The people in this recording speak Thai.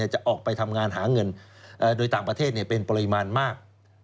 จะออกไปทำงานหาเงินโดยต่างประเทศเป็นปริมาณมาก